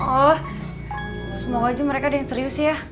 oh semoga aja mereka ada yang serius ya